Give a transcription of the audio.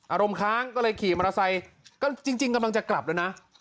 อารมณ์ค้างก็เลยขี่มอเตอร์ไซค์ก็จริงกำลังจะกลับแล้วนะ